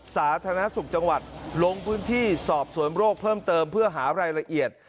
สาธารณสุขจังหวัดลงพื้นที่สอบสวนโรคเพิ่มเติมเพื่อหารายละเอียด